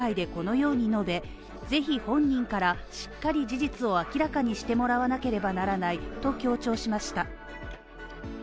岸田総理は、今日の参議院決算委員会でこのように述べぜひ本人からしっかり事実を明らかにしてもらわなければならないと強調しました。